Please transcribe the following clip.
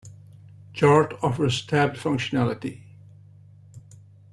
Jarte offers 'tabbed' functionality.